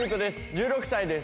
１６歳です。